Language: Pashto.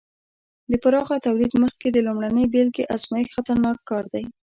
د پراخه تولید مخکې د لومړنۍ بېلګې ازمېښت خطرناک کار دی.